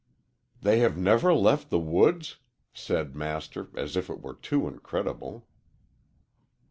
"They have never left the woods?" said Master, as if it were too incredible.